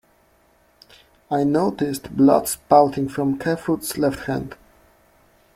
I noticed blood spouting from Kerfoot's left hand.